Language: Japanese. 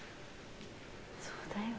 そうだよ。